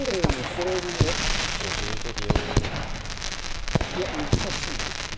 ええこれもいや難しいですね。